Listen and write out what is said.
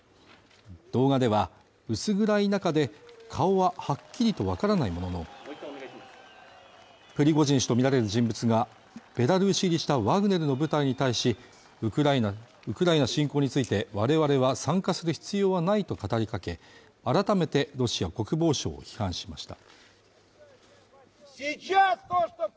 動画では、薄暗い中で、顔ははっきりとわからないものの、プリゴジン氏とみられる人物がベラルーシ入りしたワグネルの部隊に対し、ウクライナ侵攻について我々は参加する必要はないと語りかけ、改めてロシア国防省を批判しました。